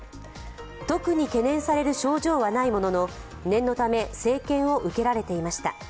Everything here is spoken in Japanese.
特に懸念される症状はないものの念のため生検を受けられていました。